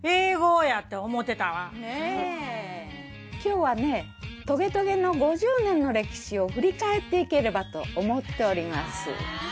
今日はね『トゲトゲ』の５０年の歴史を振り返っていければと思っております。